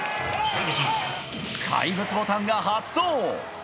怪物ボタンが発動！